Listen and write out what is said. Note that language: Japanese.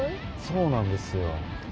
そうなんですよ。